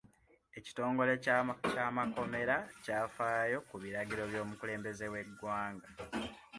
Ekitongole ky'amakomera kyafaayo ku biragiro by'omukulembeze w'eggwanga.